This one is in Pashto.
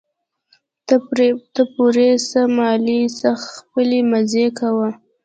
تا پورې څه مالې ته خپلې مزې کوه.